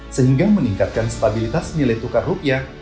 sehingga meningkatkan stabilitas nilai tukar rupiah